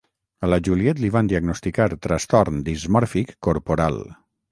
A la Juliet li van diagnosticar trastorn dismòrfic corporal.